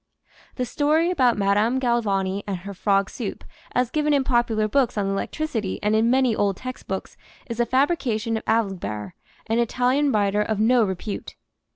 The story about Madame Galvani and her frog soup, as given in popular books on electricity and in many old textbooks, is a fabrication of Alibert, an Italian writer of no repute.